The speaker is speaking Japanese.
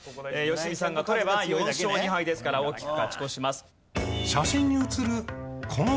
良純さんが取れば４勝２敗ですから大きく勝ち越します。